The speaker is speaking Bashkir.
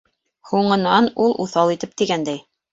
Һуңынан ул уҫал итеп тигәндәй: